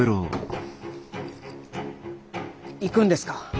行くんですか？